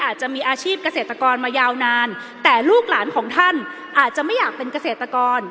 อาจจะมีอาชีพเกษตรกรมายาวนานแต่ลูกหลานของท่านอาจจะไม่อยากเป็นเกษตรกร